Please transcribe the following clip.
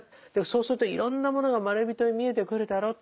そうするといろんなものがまれびとに見えてくるだろう。